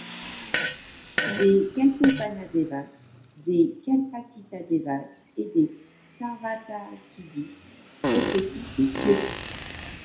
Des Kalpopanna devas, des Kalpatita devas et des Sarvarthasiddhis peuplent aussi ces Cieux.